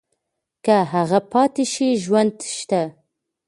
که هغه پاتې شي ژوند شته.